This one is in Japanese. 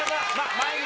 前に。